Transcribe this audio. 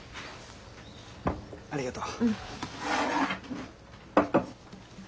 ありがとう。